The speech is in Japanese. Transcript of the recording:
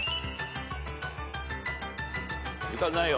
時間ないよ。